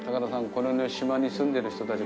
この島に住んでる人たち